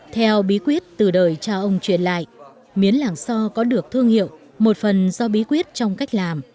theo bí quyết từ đời cha ông truyền lại miến làng so có được thương hiệu một phần do bí quyết trong cách làm